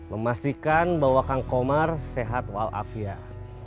memastikan bahwa kang komar sehat walafiat